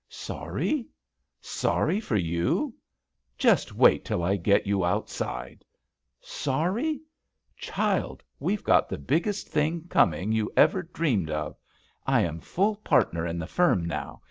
"Sorry ? Sorry for you ? Just wait till I get you outside. Sorry? Child, we've got the biggest thing coming you ever dreamed of 1 I am fuU partner in the firm now.